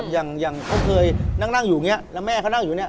อย่างเค้าเคยนั่งอยู่เนี่ยแล้วแม่เค้านั่งอยู่เนี่ย